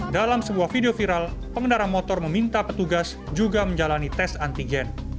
dalam sebuah video viral pengendara motor meminta petugas juga menjalani tes antigen